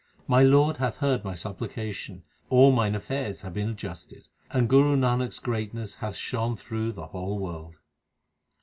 My Lord hath heard my supplication : all mine affairs have been adjusted, And Guru Nanak s greatness hath shone through the whole world.